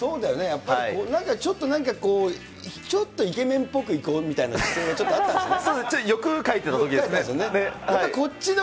やっぱり、ちょっとなんかこう、ちょっとイケメンっぽくいこうっていうのがあったんですかね？